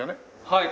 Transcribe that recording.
はい。